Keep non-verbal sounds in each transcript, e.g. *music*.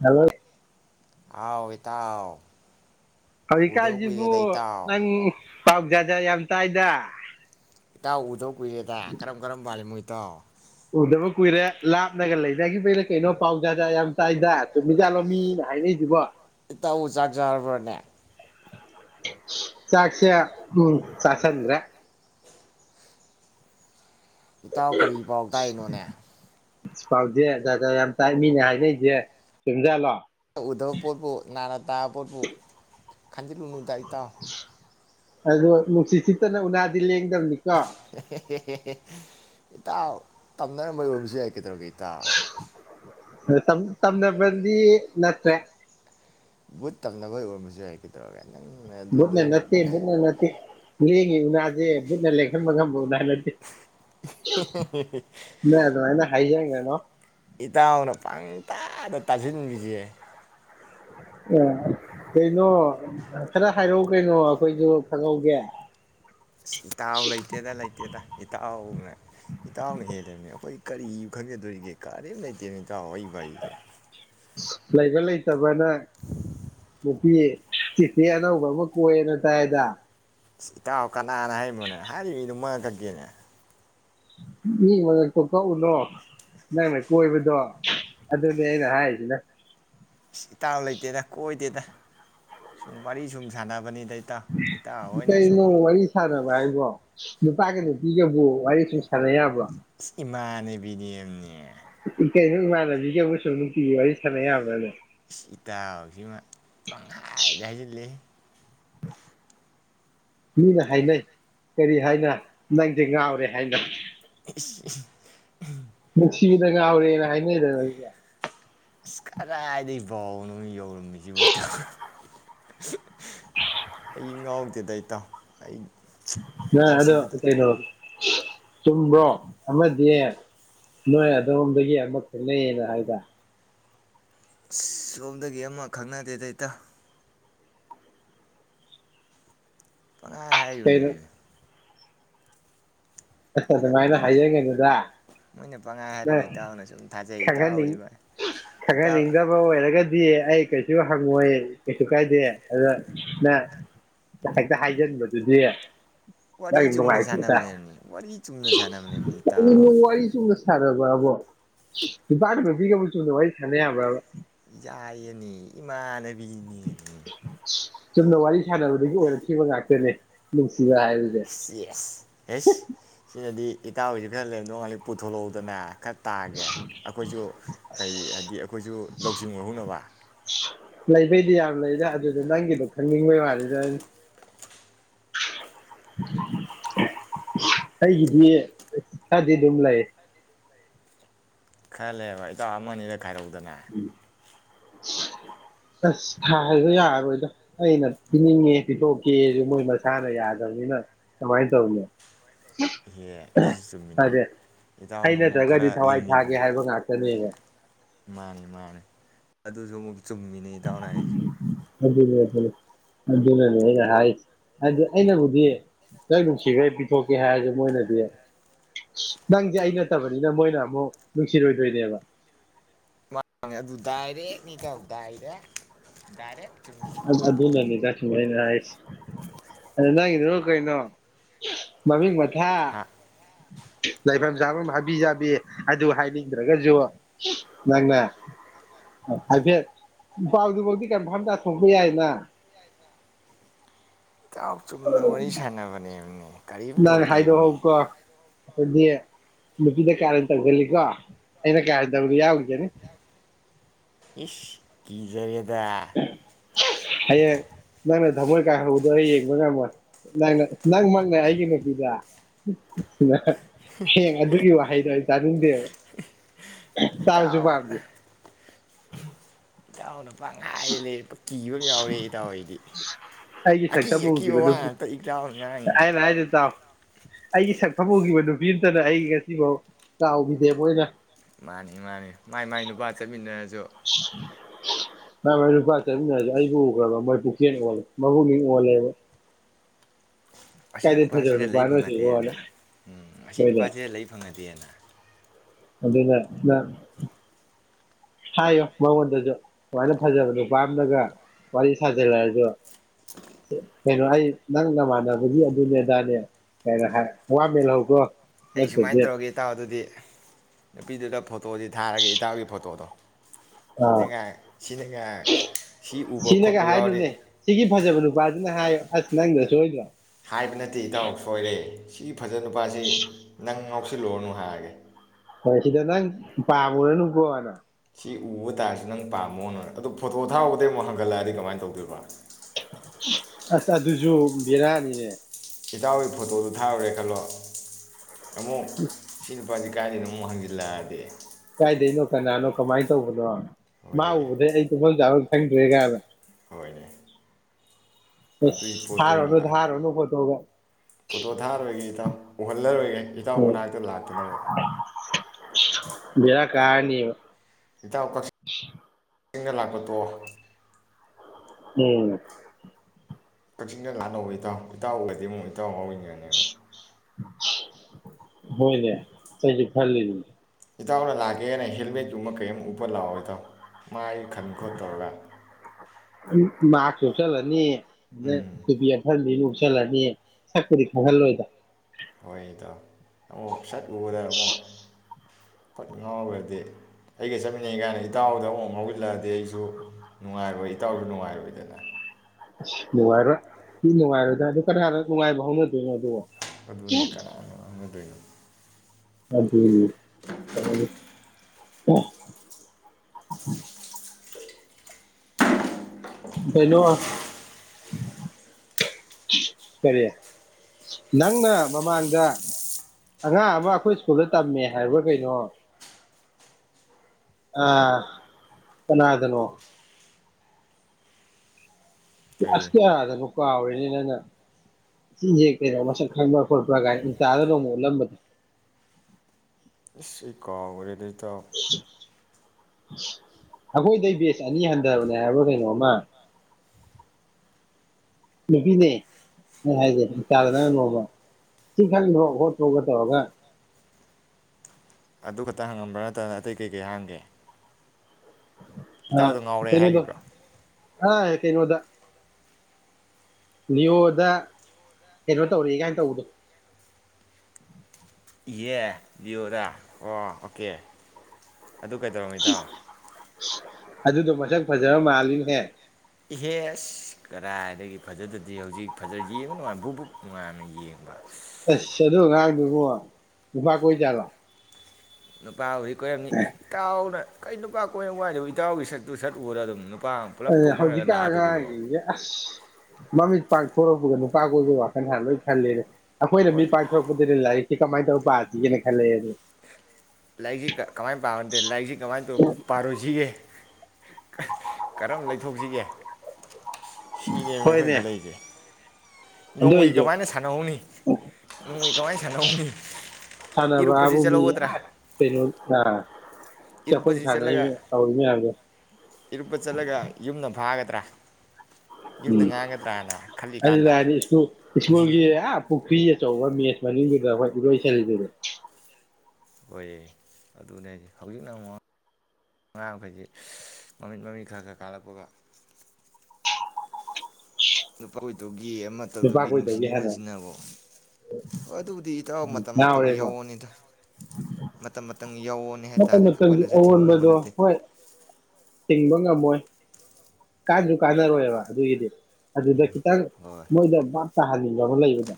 hello ꯍꯥꯎ ꯏꯇꯥꯥꯎ ꯍꯧꯖꯤꯛꯀꯟꯖꯤꯕꯨ ꯅꯪ ꯄꯥꯎ ꯖꯥꯖꯠ ꯌꯥꯝ ꯇꯥꯏꯗ ꯇꯥꯎ ꯎꯗꯣ ꯀꯨꯏꯔꯦꯗ ꯀꯔꯝ ꯀꯔꯝ ꯄꯜꯂꯤ ꯃꯣꯏ ꯏꯇꯥꯎ ꯎꯗꯕ ꯀꯨꯏꯔꯦ ꯂꯥꯞꯅꯒ ꯂꯩꯅꯒꯤꯕꯩꯔꯥ ꯀꯩꯅꯣ ꯄꯥꯎꯖꯥꯖꯠ ꯌꯥꯝ ꯇꯥꯏꯗ ꯆꯨꯝꯃꯤꯖꯥꯠꯂꯣ ꯃꯤꯅ ꯍꯥꯏꯅꯩꯖꯤꯕꯣ ꯏꯇꯧꯕꯨ ꯆꯥꯛ ꯆꯥꯔꯕꯅꯦ ꯆꯥꯛꯁꯦ ꯎꯝ ꯆꯁꯟꯂꯦ ꯏꯇꯥꯎ ꯀꯔꯤ ꯄꯥꯎ ꯇꯥꯏꯅꯣꯅꯦ ꯄꯥꯎꯖꯦ ꯖꯠ ꯖꯥꯠ ꯌꯥꯝ ꯇꯥꯏ ꯃꯤꯅꯦ ꯍꯥꯏꯅꯩꯁꯦ ꯆꯨꯝꯖꯥꯠꯂꯣ ꯎꯗꯕ ꯄꯣꯠꯕꯨ ꯅꯥꯅ ꯇꯥꯕ ꯄꯣꯠꯄꯨ ꯈꯟꯖꯤ ꯂꯨꯅꯨꯗꯥ *inaudible* ꯑꯗꯣ ꯅꯨꯡꯁꯤꯠꯁꯤꯠꯇꯅ ꯎꯅꯥꯗꯤ ꯂꯦꯡꯗꯕꯅꯤ ꯍꯦ ꯍꯦ *unintelligible* ꯏꯇꯥꯎ ꯇꯝꯅꯔꯝꯕꯒꯤ ꯑꯣꯏꯕꯁꯨ ꯌꯥꯏ ꯀꯩꯗꯧꯔꯥꯒꯦ ꯏꯇꯥꯎ ꯇꯝꯅꯕꯗꯤ ꯅꯠꯇ꯭ꯔꯦ ꯕꯨꯠ ꯇꯝꯅꯕꯩ ꯑꯣꯏꯔꯃꯁꯨ ꯌꯥꯏ ꯀꯩꯗꯧꯔꯒꯦ ꯅꯪꯅ ꯑꯗꯨꯗ ꯕꯨꯠꯅꯦ ꯅ ꯅꯠꯇꯦ ꯕꯨꯠ ꯅ ꯅꯠꯇꯦ ꯂꯦꯡꯉꯤ ꯎꯅꯥꯖꯦ ꯕꯨꯠꯅ ꯂꯦꯪꯍꯟꯕ ꯉꯝꯕ ꯎꯅꯥ ꯅꯠꯇꯦ *inaudible* *unintelligible* ꯍꯥꯏꯖꯒꯦꯅꯣ ꯏꯇꯥꯎꯅ ꯄꯪꯇꯥꯗ ꯇꯥꯁꯤꯟꯕꯤꯁꯦ ꯑ ꯀꯩꯅꯣ ꯈꯔ ꯍꯥꯏꯔꯛꯎ ꯀꯩꯅꯣ ꯑꯩꯈꯣꯏꯁꯨ ꯈꯪꯍꯧꯒꯦ ꯑꯁ ꯏꯇꯥꯎ ꯂꯩꯇꯦꯗ ꯂꯩꯇꯦꯗ ꯏꯇꯥꯎꯅ ꯏꯇꯥꯎꯅ ꯍꯦꯜꯜꯂꯤꯕꯅꯤ ꯑꯩꯈꯣꯏ ꯀꯔꯤ ꯈꯪꯒꯗꯣꯔꯤꯒꯦ ꯀꯔꯤꯝ ꯂꯩꯇꯦꯅ ꯏꯇꯥꯎ ꯑꯩ ꯁꯦ ꯂꯩꯕ ꯂꯩꯇꯕ ꯀꯥꯏꯅ ꯅꯨꯄꯤ ꯆꯤꯆꯦ ꯑꯅꯧꯕ ꯑꯃ ꯀꯣꯏꯌꯦꯅ ꯇꯥꯏꯗ ꯑꯁ ꯏꯇꯥꯎ ꯀꯅꯥꯅ ꯍꯥꯏꯔꯤꯝꯅꯣꯅꯦ ꯍꯥꯏꯔꯤꯕꯗꯨ ꯃ ꯈꯛꯦꯅꯦ ꯃꯤ ꯃꯉꯛꯇꯣ ꯀꯛꯎꯅꯣ ꯅꯪꯅ ꯀꯣꯏꯕꯗꯣ ꯑꯗꯨꯅꯦ ꯑꯩꯅ ꯍꯥꯏꯔꯤꯁꯤꯅ ꯏꯇꯥꯎ ꯂꯩꯇꯦꯗ ꯀꯣꯏꯗꯦꯗ ꯁꯨꯝ ꯋꯥꯔꯤ ꯁꯨꯝ ꯁꯥꯟꯅꯕꯅꯤ ꯀꯩꯅꯣ ꯋꯥꯔꯤ ꯁꯅꯕ ꯍꯥꯏꯕꯣ ꯅꯨꯄꯥꯒ ꯅꯨꯄꯤꯒꯕꯨ ꯋꯥꯔꯤ ꯁꯨꯝ ꯁꯥꯟꯅꯩ ꯌꯥꯕ꯭ꯔꯣ ꯏꯃꯅꯦꯕꯤꯗꯤ ꯑꯦꯝꯅꯤ ꯀꯩꯅꯣ ꯏꯃꯥꯟꯅꯕꯤꯒ ꯑꯃ ꯅꯨꯡꯇꯤꯒꯤ ꯋꯥꯔꯤ ꯁꯥꯟꯅ ꯌꯥꯕ꯭ꯔꯥꯅꯦ ꯏꯇꯥ ꯍꯧꯁꯤꯃ ꯪ ꯍꯥꯏꯥꯏꯖ ꯍꯥꯏꯁꯤꯦ ꯃꯤꯅ ꯍꯥꯏꯅꯩ ꯀꯔꯤ ꯍꯥꯏꯅ ꯅꯪꯗꯤ ꯉꯥꯎꯔꯦ ꯍꯥꯏꯅ ꯎꯝ *unintelligible* ꯅꯨꯡꯁꯤꯕꯤꯗ ꯉꯥꯎꯔꯦꯅ ꯍꯥꯏꯅꯩꯗ ꯅꯪꯖꯦ *unintelligible* ꯃꯤ *unintelligible* ꯑꯩ ꯉꯥꯎꯗꯦꯗ ꯏꯇꯥꯎ ꯑꯩ ꯑ ꯅꯨꯡꯁꯤꯕꯗ ꯑꯗꯣꯇꯩ ꯆꯨꯝꯕ꯭ꯔꯣ ꯑꯃꯗꯤ ꯅꯣꯏ ꯑꯗꯣꯝꯗꯒꯤ ꯑꯃ ꯈꯪꯅꯩ ꯌꯦꯅ ꯍꯥꯏꯗ ꯁꯣꯝꯗꯒꯤ ꯑꯃ ꯈꯪꯅꯗꯦꯗ ꯏꯇꯥꯎ ꯄꯪꯉꯥꯏ ꯀꯩꯅꯣ ꯍꯥꯏꯌꯨꯅꯤꯃꯤ ꯑ ꯃꯣꯏꯅ ꯑꯗꯨꯃꯥꯏꯅ ꯄꯪꯍꯥꯏ ꯍꯌꯦꯡꯉꯦ ꯑꯗꯨꯗ ꯃꯣꯏꯅ ꯄꯪꯍꯥꯏ ꯍꯥꯏꯔꯒ ꯏꯇꯥꯎꯅ ꯁꯨꯝ ꯊꯥꯖꯩ ꯏꯇꯥꯎ ꯈꯪꯍꯟꯅꯤꯡ ꯏꯕꯥ ꯏꯇꯥꯎ ꯈꯪꯍꯟꯅꯤꯡꯗꯕ ꯑꯣꯏꯔꯒꯗꯤ ꯑꯩ ꯀꯩꯁꯨ ꯍꯪꯉꯣꯏ ꯀꯩꯁꯨ ꯀꯥꯏꯗꯦ ꯑꯗ ꯅ ꯍꯦꯛꯇ ꯍꯥꯏꯖꯤꯟꯕꯗꯨꯗꯤ ꯋꯥꯔꯤ ꯅꯪ ꯆꯨꯝꯅ ꯅꯨꯡꯉꯥꯏꯇꯦꯗ ꯁꯥꯟꯅꯕꯅꯦꯝꯅꯤ ꯋꯥꯔꯤ ꯆꯨꯝꯂ ꯁꯅꯝꯅꯦꯃꯤ ꯀꯔꯤꯅꯣ ꯏꯇꯥꯎ *unintelligible* ꯌꯥꯏꯌꯦꯅꯤ ꯏꯃꯥꯟ ꯕꯤꯅꯤ ꯆꯨꯝꯅ ꯋꯥꯔꯤ ꯁꯥꯟꯅꯕꯗꯒꯤ ꯑꯣꯏꯔꯛ ꯈꯤꯕ ꯉꯥꯛꯇꯅꯦ ꯍꯥꯏꯕꯁꯦ ꯌꯦꯁ ꯑꯦꯁ ꯁꯤꯅꯗꯤ ꯏꯇꯥꯎ *unintelligible* ꯄꯨꯊꯣꯂꯛꯎꯗꯅꯦ ꯈꯔ ꯇꯥꯒꯦ ꯑꯩꯈꯣꯏꯁꯨ ꯀꯔꯤ ꯍꯥꯏꯗꯤ ꯑꯩꯈꯣꯏꯁꯨ ꯂꯧꯁꯤꯡ ꯑꯣꯏꯍꯧꯅꯕ ꯂꯩꯕꯩꯗꯤ ꯌꯥꯝ ꯂꯩꯗ ꯑꯗꯨꯗ ꯅꯪꯒꯤꯗꯣ ꯈꯪꯅꯤꯡꯕꯩ ꯋꯥꯔꯤꯅꯤꯗꯩꯅ ꯑꯩꯒꯤꯗꯤ ꯈꯔꯗꯤ ꯑꯗꯨꯝ ꯂꯩ ꯈꯔ ꯂꯩꯕ ꯏꯇꯥꯎ ꯑꯃ ꯑꯅꯤꯗ ꯈꯥꯏꯔꯧꯗꯅ ꯑꯁ ꯊꯗꯣ ꯌꯥꯔꯣꯏꯗ ꯑꯩꯅ ꯄꯤꯅꯤꯡꯉꯦ ꯄꯤꯊꯣꯛꯀꯦꯁꯨ ꯃꯣꯏ ꯃꯁꯥꯅ ꯌꯥꯗꯕꯅꯤꯅ ꯀꯃꯥꯏꯅ ꯇꯧꯅꯤ ꯏꯍꯦ ꯑꯗꯨꯁꯨ ꯆꯨꯝꯃꯤꯅꯦ ꯑꯗ ꯑꯩ ꯏꯇꯥꯎꯅ ꯑꯃꯨꯛ ꯅꯠꯇ꯭ꯔꯒꯗꯤ ꯈꯔ ꯊꯋꯥꯏ ꯊꯥꯒꯦ ꯂꯤꯡꯉꯤꯗꯅ ꯍꯥꯏꯕ ꯉꯥꯛꯇꯅꯦꯕ ꯃꯥꯅꯤ ꯃꯥꯅꯤ ꯑꯗꯨꯁꯨ ꯑꯃꯨꯛ ꯆꯨꯝꯃꯤꯅꯤ ꯏꯇꯥꯎꯅ ꯑꯩꯁꯦ ꯑꯗꯨꯅꯦ ꯑꯗꯨꯅꯅꯦ ꯑꯩꯅ ꯍꯥꯏꯔꯤꯁꯦ ꯍꯥꯏꯗꯤ ꯑꯩꯅꯕꯨꯗꯤ ꯅꯪ ꯅꯨꯡꯁꯤꯈꯦ ꯄꯤꯊꯣꯛꯀꯦ ꯍꯥꯏꯔꯁꯦ ꯃꯣꯏꯅꯗꯤ ꯅꯪꯁꯦ ꯑꯩ ꯅꯠꯇꯕꯅꯤꯅ ꯃꯣꯏꯅ ꯑꯃꯨꯛ ꯅꯨꯡꯁꯤꯔꯣꯏꯗꯣꯏꯅꯦꯕ ꯑꯗꯨ ꯗꯥꯏꯔꯦꯛꯅꯤ ꯏꯇꯥꯎ ꯗꯥꯏꯔꯦꯛ ꯗꯥꯏꯔꯦꯛ ꯆꯨꯝꯃꯤ ꯑꯗꯨꯅꯅꯤꯗ *unintelligible* *unintelligible* *unintelligible* ꯀꯩꯅꯣ ꯃꯃꯤꯡ ꯃꯊꯥ ꯍꯥ *unintelligible* ꯍꯥꯕꯤ ꯆꯕꯤ ꯑꯗꯨ ꯍꯥꯏꯅꯤꯡꯗ꯭ꯔꯒꯁꯨ ꯅꯪꯅ ꯍꯥꯏꯐꯦꯠ ꯄꯥꯎꯗꯨꯐꯥꯎꯗꯤ ꯀꯟꯐꯥꯝ ꯇꯥ *unintelligible* ꯌꯥꯏꯅ ꯆꯥꯎ ꯆꯨꯝꯅ ꯋꯥꯔꯤ ꯁꯥꯟꯅꯕꯅꯦꯃꯤ ꯀꯔꯤꯝ ꯅꯪ ꯇꯧꯗꯦꯝꯅꯤ ꯍꯥꯏꯗꯣꯛꯍꯧꯀꯣ ꯑꯗꯨꯗꯤ ꯅꯨꯄꯤꯗ ꯀꯌꯥ ꯇꯧꯁꯤꯜꯂꯤꯀꯣ ꯑꯩꯅ ꯀꯌꯥ ꯇꯧꯗ ꯌꯥꯎꯒꯤꯖꯅꯤ ꯏꯁ ꯀꯤꯖ *unintelligible* *unintelligible* ꯍꯌꯦꯡ ꯅꯪꯅ ꯊꯝꯃꯣꯏ ꯀꯥꯡꯍꯧꯗꯣ ꯑꯩ ꯌꯦꯡꯕ ꯉꯝꯃꯣꯏ ꯅꯪ ꯅꯪꯃꯛꯅ ꯑꯩꯒꯤ ꯅꯨꯄꯤꯗ ꯍꯦ ꯑꯗꯨꯒꯤ ꯋꯥ ꯍꯥꯏꯅ ꯇꯥꯅꯤꯡꯗꯦꯕ ꯏꯗ ꯇꯥꯕꯁꯨ ꯑꯣ ꯄꯥꯝꯗꯦ *inaudible* ꯌꯥꯎꯅ ꯄꯉꯥꯏꯔꯂꯦ ꯀꯤꯕ ꯌꯥꯎꯔꯦ ꯇꯥꯎꯗꯤ ꯑꯩꯒꯤ ꯑꯀꯤ ꯁꯛꯇꯝ ꯑꯀꯤꯕ ꯎꯈꯤꯕ ꯋꯥ ꯅꯨꯄꯤ ꯉꯥꯛꯇ ꯏꯇꯥꯎ ꯉꯥꯡꯉꯤ ꯑꯩꯅ ꯍꯥꯏꯁꯦ ꯇꯥꯎ ꯑꯩꯒꯤ ꯁꯛꯐꯝ ꯎꯈꯤꯕ ꯅꯨꯄꯤ ꯑꯃꯇꯅ ꯑꯩ ꯉꯁꯤꯐꯥꯎ ꯀꯥꯎꯈꯤꯗꯦ ꯃꯣꯏꯅ ꯃꯥꯅꯤ ꯃꯥꯅꯤ ꯃꯥꯏ ꯃꯥꯏ ꯅꯨꯄꯥ ꯆꯠꯃꯤꯟꯅꯔꯁꯤ *inaudible* ꯃꯥꯏ ꯂꯨꯄꯥ ꯇꯔꯃꯤꯟꯅꯁꯦ ꯑꯩꯕꯨ ꯎꯈ꯭ꯔꯕ ꯃꯣꯏ ꯄꯨꯀꯦ ꯑꯣꯜꯂꯦ ꯃꯒꯨꯅꯤ ꯑꯣꯜꯂꯦꯕ ꯑꯁꯤ ꯀꯥꯏꯗꯩ ꯐꯖꯕ ꯅꯨꯄꯥꯁꯤꯗ ꯂꯩ ꯅꯨꯄꯥꯅꯣ ꯁꯤꯕꯣꯅ ꯐꯪꯉꯗꯦꯅ ꯎ ꯑꯁꯤ ꯍꯣꯏꯅꯦ ꯅꯨꯄꯥꯁꯤꯗ ꯂꯩ ꯐꯪꯉꯗꯦꯅ ꯑꯗꯨꯅ ꯅꯪ ꯍꯥꯏꯌꯣ ꯃꯉꯣꯟꯗꯁꯨ ꯁꯨꯃꯥꯏꯅ ꯐꯖꯕ ꯅꯨ ꯄꯥꯝꯂꯒ ꯋꯥꯔꯤ ꯁꯥꯖꯜꯂꯛꯑꯁꯨ ꯀꯩꯅꯣ ꯑꯩ ꯅꯪ ꯅꯃꯥꯟꯅꯕꯒꯤ ꯑꯗꯨꯅꯦ ꯑꯗꯥꯅꯦ ꯀꯩꯅꯣ ꯍꯥꯏ ꯋꯥ ꯃꯦꯜꯍꯧꯈꯣ ꯑꯩ ꯁꯨꯃꯥꯏꯅ ꯇꯧꯔꯒꯦ ꯇꯥꯎ ꯑꯗꯨꯗꯤ ꯅꯨꯄꯤꯗꯨꯗ ꯐꯣꯇꯣꯗꯤ ꯊꯥꯔꯒꯦ ꯏꯇꯥꯎꯒꯤ ꯐꯣꯇꯣꯗꯣ ꯁꯤꯅ ꯑꯥ ꯉꯥꯏ ꯁꯤꯅ ꯉꯥꯏ ꯁꯤ ꯎꯕ ꯈꯣꯠꯄ ꯌꯥꯎꯔꯦ ꯑꯗꯨ ꯍꯥꯏ ꯐꯁ ꯅꯪꯗꯁꯁꯨ ꯍꯣꯏꯣ ꯍꯥꯏꯕ ꯅꯠꯇꯦ ꯏꯇꯥꯎ ꯁꯣꯏꯔꯦ ꯁꯤ ꯐꯖ ꯅꯨꯄꯥꯁꯤ ꯅꯪ ꯉꯧꯁꯤꯜꯂꯨꯔꯅꯨ ꯍꯥꯏꯔꯒꯦ ꯍ ꯁꯤꯈꯤꯗ ꯅ ꯄꯥꯕꯣꯔ ꯅꯨꯀꯣꯅ ꯁꯤ ꯎꯕ ꯇꯥꯔꯁꯨ ꯅꯪ ꯄꯥꯝꯃꯣꯅ ꯑꯗꯨꯗꯣ ꯐꯣꯇꯣ ꯊꯥꯎꯕꯗꯩ ꯑꯃꯨꯛ ꯍꯪꯒꯠꯂꯛꯑꯗꯤ ꯀꯃꯥꯏꯅ ꯇꯧꯗꯣꯏꯕ ꯑꯁꯆꯥ ꯑꯗꯨꯨꯁꯨ ꯕꯤꯔꯥꯅꯤꯅꯦ ꯍꯤꯇꯥꯎꯒꯤ ꯐꯣꯇꯣꯗꯨ ꯊꯥꯔꯨꯔꯦ ꯈꯜꯂꯣ ꯑꯃꯃꯛ ꯁꯤ ꯑꯩꯗꯤ ꯀꯥꯏꯦꯅ ꯑꯃꯨꯛ ꯍꯪꯖꯤꯜꯂꯛꯑꯗꯤ ꯀꯥꯏꯗꯅꯣ ꯀꯅꯥꯅꯣ ꯀꯃꯥꯏꯅ ꯇꯧꯕꯅꯣ ꯃꯥ ꯍꯣꯏ ꯑꯣꯗꯦ ꯑꯩ ꯇꯃꯣꯏ ꯌꯥ ꯊꯪ ꯍꯦꯒꯗ ꯍꯣꯏꯅꯦ ꯑꯁ ꯑꯗꯨꯒꯤ ꯄꯣꯠꯇꯣꯅ ꯊꯥꯔꯨꯔꯅꯨ ꯂꯥꯛ ꯊꯥꯔꯨꯔꯅꯨ ꯐꯣꯇꯣꯒ ꯐꯣꯇꯣ ꯊꯥꯔꯔꯣꯏꯒꯦ ꯏꯇꯥꯎ ꯎꯍꯜꯂꯔꯣꯏꯒꯦ ꯏꯇꯥꯎ ꯎꯝ ꯃꯅꯥꯛꯇ ꯂꯥꯛꯇꯅꯕ ꯀꯥꯅꯤ ꯏꯗ ꯀ ꯆꯁꯤꯡꯅ ꯂꯥꯛꯄ ꯇꯣꯑꯣ ꯎꯝ ꯀꯛꯆꯤꯡꯗ ꯂꯥꯟꯅꯧ ꯏꯇꯥꯎ ꯏꯇꯥꯎꯒꯗꯤ ꯑꯃꯨꯛ ꯏꯇꯥꯎ ꯉꯥꯎꯋꯅꯤ ꯣ ꯍꯣꯏꯅꯦ ꯀꯩ ꯐꯔ ꯂꯩ ꯏꯇꯥꯎꯅ ꯂꯥꯛꯒꯦꯅ ꯍꯦꯜꯃꯦꯠꯀꯨꯝꯕ ꯀꯩꯝ ꯎꯄ ꯂꯥꯛꯑꯣ ꯏꯇꯥꯎ ꯃꯥꯏ ꯈꯟ ꯈꯣꯠ ꯇꯧꯔꯒ ꯆꯣꯛꯁꯥꯂꯥꯅꯤ ꯑ ꯇꯨꯄꯤ ꯐꯜꯕꯤ ꯎꯞꯁꯣꯟ ꯂꯅꯤ ꯈꯥꯂꯣꯏꯗ ꯍꯣꯏꯗ ꯑꯣ ꯄꯞꯁꯠ ꯎꯕꯗꯥꯔꯝꯃꯣ ꯐꯠ ꯉꯥꯎꯔꯈ꯭ꯔꯗꯤ ꯑꯩꯒ ꯆꯠꯃꯤꯟꯅꯩ ꯀꯥꯏꯅ ꯏꯇꯥꯎꯗ ꯑꯃꯨꯛ ꯉꯥꯎꯁꯤꯜꯂꯛꯑꯗꯤ ꯑꯩꯁꯨ ꯅꯨꯡꯉꯥꯏꯔꯣꯏ ꯏꯇꯥꯎꯁꯨ ꯅꯨꯡꯉꯥꯏꯔꯣꯏꯗꯅ ꯑꯁ ꯅꯨꯡꯉꯥꯏꯔꯣꯏ ꯁꯤ ꯅꯨꯡꯉꯥꯏꯔꯣꯏꯗ ꯑꯗꯨ ꯀꯗꯥꯗ ꯅꯨꯡꯉꯥꯏꯕ ꯍꯧꯅꯗꯣꯏꯅꯣ ꯑꯗꯨꯣ ꯑꯗꯨꯗꯨꯅꯤ ꯀꯅꯥꯅꯣ ꯑꯗꯨꯅ ꯑꯗꯨ ꯎꯝ ꯎꯝ ꯀꯩꯅꯣ ꯀꯔꯤ ꯅꯪꯅ ꯃꯃꯥꯡꯗ ꯑꯉꯥꯡ ꯑꯃ ꯑꯩꯈꯣꯏ ꯁ꯭ꯀꯨꯜꯗ ꯇꯝꯃꯦ ꯍꯥꯏꯕ ꯀꯩꯅꯣ ꯑꯥ ꯀꯅꯥꯗꯅꯣ ꯀꯂꯥꯁ ꯀꯔꯤ ꯀꯥꯌꯗꯅꫭ ꯀꯥꯎꯔꯤꯅꯤ ꯅꯪꯅ ꯆꯤꯟꯁꯦ ꯀꯩꯅꯣ ꯃꯁꯛ ꯈꯪꯕ꯭ꯔꯥ ꯈꯣꯠꯄ꯭ꯔꯥ ꯀꯥꯏ ꯏꯇꯥꯗ ꯅꯣꯡꯃ ꯎꯠꯂꯝꯕꯗꯣ ꯏꯁ ꯑꯩꯀꯥꯎꯔꯦꯗꯤ ꯏꯇꯥꯑꯣ ꯑꯩꯈꯣꯏꯗꯩ ꯕꯦꯁ ꯑꯅꯤ ꯍꯟꯊꯕꯅꯦ ꯍꯥꯏꯕ ꯀꯩꯅꯣꯝꯃ ꯅꯨꯄꯤꯅꯦ ꯍꯥꯏꯁꯦ ꯏꯁꯟꯇꯥꯗꯅ ꯅꯣꯡꯃ ꯁꯤ ꯈꯪꯗ ꯈꯣꯠꯇꯣꯛꯑꯒ ꯇꯧꯔꯒ ꯑꯗꯨ ꯈꯛꯇ ꯍꯪꯉꯝꯕ꯭ꯔꯥ ꯅꯠꯇꯅ ꯑꯇꯩ ꯀꯩꯀꯩ ꯍꯥꯡꯒꯦ ꯏꯇꯥꯎꯗ ꯉꯥꯎꯔꯦ ꯍꯥꯏꯈꯤꯕ꯭ꯔꯥ ꯑꯥ ꯀꯩꯅꫭꯗ ꯌꯣꯗ ꯀꯩꯅꯣ ꯇꯧꯔꯛꯏꯦ ꯀꯥꯏꯅ ꯇꯧꯕꯗꯣ ꯑꯦ ꯂꯤꯑꫭꯗ ꯑꯣꯀꯦ ꯑꯗꯨ ꯀꯩꯗꯧꯔꯕ ꯏꯇꯥꯎ ꯑꯗꯨꯗꯣ ꯃꯁꯛ ꯐꯖꯔꯕ ꯃꯥꯜꯂꯤꯅꯍꯦ ꯏꯍꯦꯁ ꯀꯗꯥꯥꯏꯗꯒꯤ ꯐꯖꯗꯗꯤ ꯍꯧꯖꯤꯛ ꯐꯖ ꯌꯦꯡꯕ ꯅꯨꯡꯉꯥꯏ ꯕꯨꯛ ꯕꯨꯛ ꯅꯨꯡꯉꯥꯟꯅ ꯌꯦꯡꯕ ꯑꯁ ꯑꯗꯨ ꯑꯉꯥꯡꯗꯨꯕꯨ ꯆꯨꯄꯥ ꯀꯣꯏ ꯖꯠꯂꯣ ꯅꯨꯄꯥꯕꯨꯗꯤ ꯀꯣꯏꯔꯝꯅꯤ ꯏꯇꯥꯎꯅ ꯀꯩ ꯅꯨꯄꯥ ꯀꯣꯏꯔꯕꯣ ꯍꯥꯏꯁꯤꯕꯨ ꯏꯇꯥꯎꯒꯤ ꯁꯛꯇꯨ ꯁꯠꯎꯕꯗ ꯑꯗꯨꯝ ꯅꯨꯄꯥ ꯄꯨꯂꯞ ꯑꯦ ꯇꯣꯛꯅꯔꯒ ꯍꯧꯖꯤꯛ ꯀꯥꯟ ꯉꯥꯡ ꯂꯥꯛꯑꯗꯨꯗꯨꯕꯣ ꯁꯦ ꯑꯁ ꯃꯥꯃꯤꯠ ꯄꯥꯛ ꯊꯣꯔꯛꯄꯒ ꯅꯨꯄꯥ ꯀꯣꯏꯕꯩ ꯋꯥꯈꯜ ꯍꯥꯟ ꯂꯣꯏ ꯈꯜꯂꯦ ꯑꯩꯈꯣꯏꯅ ꯍꯣꯏ ꯃꯤ ꯄꯥꯡꯊꯣꯔꯛꯄꯗꯨꯗꯤ ꯂꯥꯏꯔꯤꯛ ꯂ ꯀꯃꯥꯏꯅ ꯇꯧꯔꯈ ꯄꯥꯁꯤꯒꯦꯅ ꯈꯜꯂꯛꯑꯦ ꯂꯥꯏꯔꯤꯛꯁꯤ ꯀꯃꯥꯏꯅ ꯄꯥꯕ ꯅꯠꯇꯦ ꯂꯥꯏꯔꯤꯛꯁꯤ ꯀꯃꯥꯏꯅ ꯇꯧꯔ ꯄꯥꯔꯣꯏꯁꯤꯒꯦ ꯀꯔꯝ ꯂꯩꯊꯣꯛꯁꯤꯒꯦ ꯁꯤꯅꯦꯃꯤ ꯑꯩꯈꯣꯏ ꯍꯣꯏꯅꯦ ꯈꯜꯂꯛ ꯏꯖꯦ ꯑꯗꯨ ꯅꯣꯡꯃꯩ ꯑꯣꯏꯁꯨ ꯀꯃꯥꯏꯅ ꯁꯥꯟꯅꯍꯧꯅꯤ ꯅꯣꯡꯃꯩ ꯀꯃꯥꯏꯅ ꯁꯥꯟꯅꯍꯧꯅꯤ ꯁꯥꯟꯅꯕ ꯏꯔꯨꯞꯄꯁꯤ ꯍꯥꯏꯕꯨ ꯃꯤ ꯆꯠꯍꯧꯒꯗ꯭ꯔꯥ ꯀꯩꯅꯣ ꯑꯩꯈꯣꯏꯅ ꯏꯔꯨꯞꯄꯁꯤ ꯆꯠꯂꯒ ꯁꯥꯟꯅꯔꯤꯕ ꯇꯧꯔꯤ ꯃꯌꯥꯝꯁꯦ ꯏꯔꯨꯞꯄ ꯆꯠꯂꯒ ꯌꯨꯝꯅ ꯐꯥꯒ ꯗ꯭ꯔ ꯎꯝ ꯈꯜꯂꯤꯀꯥꯟꯗ ꯑꯩꯁꯨ ꯅꯨꯡꯁꯤ ꯁꯀ꯭ꯨꯜꯒꯤ ꯅꯤꯉꯣꯟ ꯑ ꯄꯨꯈ꯭ꯔꯤ ꯑꯆꯧꯕ ꯃꯦꯠꯆ ꯃꯅꯨꯡꯗꯨꯗ ꯑꯩꯈꯣꯏ ꯏꯔꯣꯏꯁꯤꯜꯂꯤꯅꯦ ꯑꯣꯏꯌꯦ ꯑꯗꯨꯅꯦ ꯍꯧꯖꯤꯛꯅ ꯑꯃꯨꯛ ꯃꯉꯥꯡ ꯃꯈꯩꯁꯤ ꯃꯃꯤꯠ ꯃꯃꯤꯠ ꯈꯔ ꯈꯔ ꯀꯥꯜꯂꯛꯄꯒ *unintelligible* ꯅꯨꯄꯥ ꯇꯧꯗꯨꯒꯤ ꯅꯨꯡꯁꯤ ꯀꯣꯏꯗꯧꯒꯤ ꯍꯥꯟꯅ ꯅꯤꯉꯣꯟꯁꯤꯅꯕꯣ ꯍꯣꯏ ꯑꯗꯨꯕꯨꯗꯤ ꯏꯇꯥꯎ ꯃꯇꯝ ꯉꯥꯎꯔꯦ ꯃꯇꯝꯒꯤ ꯃꯣꯏ ꯌꯥꯎꯅꯤ ꯃꯇꯝ ꯍꯥꯏꯇꯥꯔꯦ ꯃꯇꯝꯒꯤ ꯑꯩꯈꯣꯏꯅꯁꯨ ꯊꯤꯡꯕ ꯉꯝꯕ ꯑꯑꯣꯟꯕꯗꯣ ꯅꯠꯇꯦ ꯍꯣꯏ ꯊꯤꯡꯕ ꯉꯝꯃꯣꯏ ꯀꯥꯟꯁꯨ ꯀꯥꯟꯅꯔꯣꯏꯕ ꯑꯗꯨꯒꯤꯗꯤ ꯑꯗꯨꯗ ꯈꯤꯇꯪ ꯍꯣꯏ ꯃꯣꯏꯅ ꯚꯥꯞ ꯇꯥꯍꯟꯅꯤꯡꯕ ꯑꯃ ꯂꯩꯕꯗ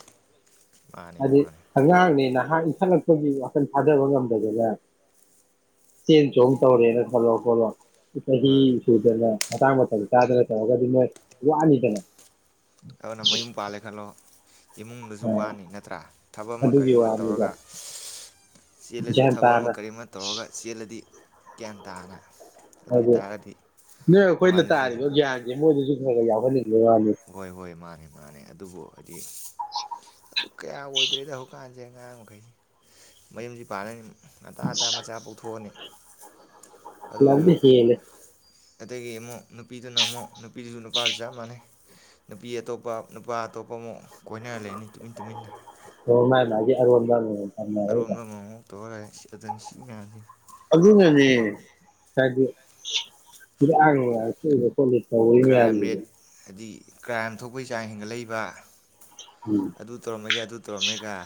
ꯃꯥꯅꯤ ꯍꯥꯏꯗꯤ ꯃꯥꯅꯤ ꯑꯉꯥꯡꯅꯦ ꯅꯍꯥꯛ ꯈꯂꯛꯄꯒꯤ ꯋꯥꯈꯜ ꯊꯥꯖꯕ ꯉꯝꯗꯗꯅꯦ ꯆꯦꯟ ꯆꯣꯡ ꯇꯧꯔꯦꯅ ꯈꯜꯂꯛ ꯈꯣꯠꯂꯣ ꯆꯍꯤ ꯃꯥꯅꯤ ꯁꯨꯗꯅ *unintelligible* ꯃꯥꯡ *unintelligible* ꯇꯧꯔꯒꯗꯤ ꯃꯧ ꯋꯥꯅꯤꯗꯅ ꯑꯗꯨꯅ ꯃꯌꯨꯝ ꯄꯥꯜꯂꯦ ꯈꯜꯂꯣ ꯏꯃꯨꯡꯗꯁꯨ ꯋꯥꯅꯤ ꯅꯠꯇ꯭ꯔꯥ ꯊꯕꯛ ꯑꯃ ꯀꯔꯤ ꯑꯗꯨꯒꯤ ꯑꯃ ꯋꯥꯅꯤꯗ ꯇꯧꯔꯒ ꯆꯦꯜꯂꯁꯨ ꯒ꯭ꯌꯥꯟ ꯊꯕꯛ ꯑꯃ ꯇꯥꯅ ꯀꯔꯤ ꯑꯃ ꯇꯧꯔꯒ ꯆꯦꯜꯂꯗꯤ ꯒ꯭ꯟ ꯇꯥꯅ ꯑꯗꯨ ꯅꯣꯏ ꯑꯩꯈꯣꯏꯅ ꯅꯨꯡꯉꯥꯏꯅꯁꯨ ꯂꯩ ꯇꯥꯔꯤꯕ ꯒ꯭ꯌꯥꯟꯁꯤ ꯃꯣꯏꯗꯁꯨ *unintelligible* ꯍꯣꯏ ꯍꯣꯏ ꯃꯥ ꯃꯥꯅꯦ ꯃꯥꯅꯦ ꯑꯗꯨꯕꯨ ꯍꯥꯏꯗꯤ ꯑꯗꯨ ꯀꯌꯥ ꯑꯣꯏꯗ꯭ꯔꯦꯗ ꯍꯧꯖꯤꯛꯀꯥꯟꯁꯦ ꯑꯉꯥꯡ ꯃꯈꯩ ꯃꯌꯨꯝꯁꯤ ꯄꯥꯅꯅꯤ ꯑꯇꯥ ꯑꯇꯥ ꯃꯆꯥ ꯄꯨꯣꯛꯊꯣꯛꯑꯅꯤ ꯂꯝꯗꯤ ꯍꯦꯂꯤ ꯑꯗꯒꯤ ꯑꯃꯨꯛ ꯅꯨꯄꯤꯗꯨꯅ ꯑꯃꯨꯛ ꯅꯨꯄꯤꯗꯨꯁꯨ ꯅꯨꯄꯥꯁꯨ ꯆꯞ ꯃꯥꯟꯅꯩ ꯅꯨꯄꯤ ꯑꯇꯣꯞꯄ ꯅꯨꯄꯥ ꯑꯇꯣꯞꯄ ꯑꯃꯨꯛ ꯀꯣꯏꯅꯔ ꯂꯩꯅꯤ ꯇꯨꯃꯤꯟ ꯇꯨꯃꯤꯟꯅ ꯍ ꯃꯥꯏ ꯃꯥꯒꯤ ꯑꯔꯣꯟꯕꯥ ꯑꯔꯣꯟꯕ ꯑꯃ ꯇꯧꯔ ꯂꯩꯔꯦ *unintelligible* ꯑꯗꯨꯟꯅꯦ ꯀ꯭ꯔꯥꯏꯝ ꯔꯦꯠ *unintelligible* ꯍꯥꯏꯗꯤ ꯀ꯭ꯔꯥꯏꯝ ꯊꯣꯛꯄꯑꯩ ꯆꯥꯡ ꯍꯦꯟꯒꯠꯂꯛꯏꯕ ꯎꯝ ꯑꯗꯨ ꯇꯧꯔꯝꯃꯦꯒ ꯑꯗꯨ ꯇꯧꯔꯝꯃꯦꯒ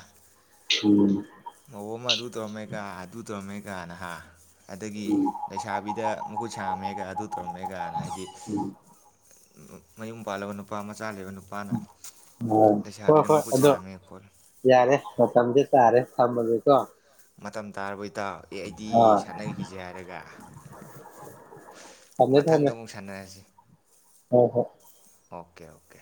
*unintelligible* ꯃꯧ ꯑꯃ ꯑꯗꯨ ꯇꯧꯔꯝꯃꯦꯀꯥ ꯑꯗꯨ ꯇꯧꯔꯝꯃꯦ ꯀꯥꯅ ꯍꯥ ꯑꯗꯥꯒꯤ ꯂꯩꯁꯥꯕꯤꯗ ꯃꯍꯨꯠ ꯈꯃꯦꯒ ꯑꯗꯨ ꯇꯧꯔꯝꯃꯦꯀ ꯍꯥꯏꯗꯤ ꯃꯌꯨꯝ ꯄꯥꯜꯂꯕ ꯅꯨꯄꯥ ꯃꯆꯥ ꯂꯩꯕ ꯅꯨꯄꯥ ꯍꯣꯏ ꯍꯣꯏ ꯑꯗꯣ ꯁꯥꯔꯝꯃꯦ ꯈꯣꯠꯂꯦ ꯌꯥꯔꯦ ꯃꯇꯝꯁꯦ ꯇꯥꯔꯦ ꯊꯝꯃꯥꯒꯦ ꯀꯣ ꯃꯇꯝ ꯇꯥꯔꯕꯣ ꯏꯇꯥꯎ ꯑꯦ ꯑꯩꯗꯤ ꯑꯥ ꯁꯥꯟꯅꯈꯤꯁꯦ ꯍꯥꯏꯔꯒ ꯊꯝꯃꯦ ꯃꯊꯪꯗ ꯊꯝꯃꯦ ꯑꯃꯨꯛ ꯁꯥꯟꯅꯔꯁꯤ ꯍꯣꯏ ꯍꯣꯏ ꯑꯣꯀꯦ ꯑꯣꯀꯦ